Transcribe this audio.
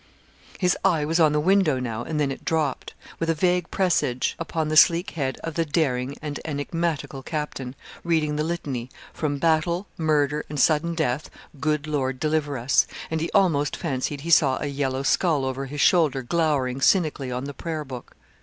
His eye was on the window now and then it dropped, with a vague presage, upon the sleek head of the daring and enigmatical captain, reading the Litany, from 'battle, murder, and sudden death, good Lord deliver us,' and he almost fancied he saw a yellow skull over his shoulder glowering cynically on the Prayer book.